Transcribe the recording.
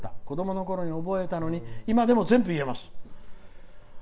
子どものころに覚えたのに今でも全部、言えます」。